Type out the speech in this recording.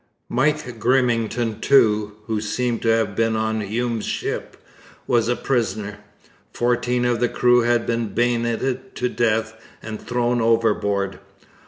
Mike Grimmington too, who seems to have been on Hume's ship, was a prisoner. Fourteen of the crew had been bayoneted to death and thrown overboard.